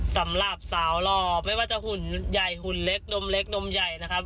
สำหรับสาวหล่อไม่ว่าจะหุ่นใหญ่หุ่นเล็กนมเล็กนมใหญ่นะครับ